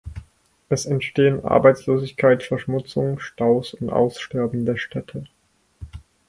Es entstehen Arbeitslosigkeit, Verschmutzung, Staus und aussterbende Städte.